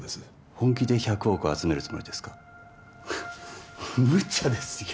本気で１００億集めるつもりですかムチャですよ